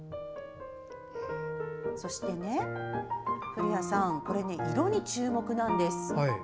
そして、古谷さん色に注目なんです。